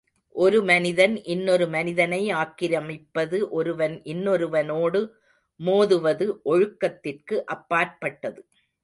ஒரு மனிதன் இன்னொரு மனிதனை ஆக்கிரமிப்பது ஒருவன் இன்னொருவனோடு மோதுவது ஒழுக்கத்திற்கு அப்பாற்பட்டது.